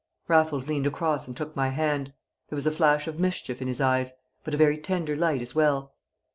Raffles leant across and took my hand. There was a flash of mischief in his eyes, but a very tender light as well.